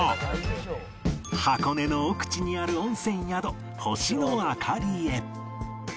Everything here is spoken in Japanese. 箱根の奥地にある温泉宿星のあかりへ